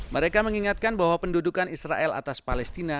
mereka mengingatkan bahwa pendudukan israel atas palestina